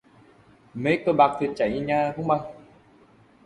Mê cờ bạc thiệt cháy nhà không bằng